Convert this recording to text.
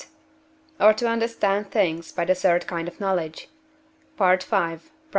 or to understand things by the third kind of knowledge (V. xxv.)